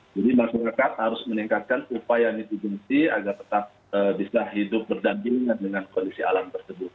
jadi masyarakat harus meningkatkan upaya mitigasi agar tetap bisa hidup berdampingan dengan kondisi alam tersebut